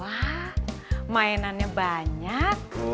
wah mainannya banyak